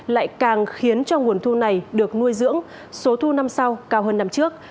lại càng khiến cho nguồn thu này được nuôi dưỡng số thu năm sau cao hơn năm trước